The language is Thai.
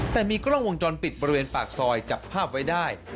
แต่มีกล้องวงจรปิดบริเวณปากซอยจับภาพไว้ได้